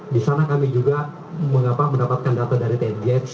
di sana kami juga mendapatkan data dari tnj